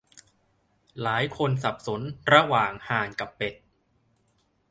หลายคนสับสนระหว่างห่านกับเป็ด